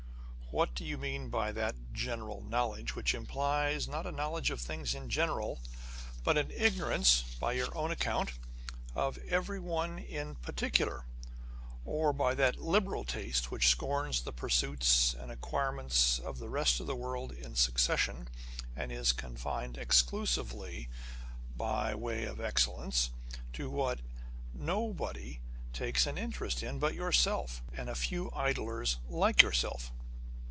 " What do you mean by that general knowledge which implies not a knowledge of things in general, but an ignorance (by your own account) of every one in par ticular : or by that liberal taste which scorns the pursuits and acquirements of the rest of the world in succession, and is confined exclusively, and by way of excellence, to what nobody takes an interest in but yourself, and a few idlers like yourself?